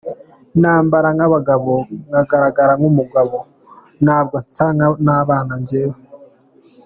Nambara nk’abagabo, ngaragara nk’umugabo, ntabwo nsa n’abana njyewe.